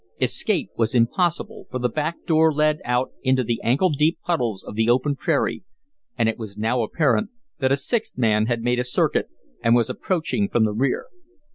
Escape was impossible, for the back door led out into the ankle deep puddles of the open prairie; and it was now apparent that a sixth man had made a circuit and was approaching from the rear.